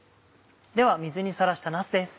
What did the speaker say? では水にさらしたなすです。